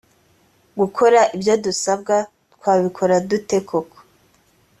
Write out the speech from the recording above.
gukora ibyo dusabwa twabikora dute koko